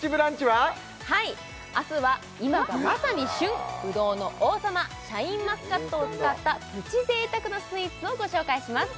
はい明日は今がまさに旬ぶどうの王様シャインマスカットを使ったプチ贅沢なスイーツをご紹介します